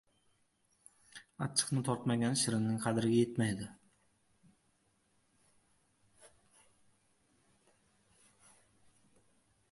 • Achchiqni totmagan shirinning qadriga yetmaydi.